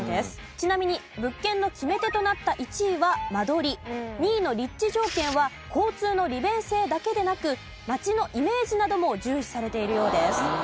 ちなみに物件の決め手となった１位は間取り２位の立地条件は交通の利便性だけでなく街のイメージなども重視されているようです。